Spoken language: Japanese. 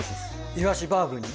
イワシバーグに？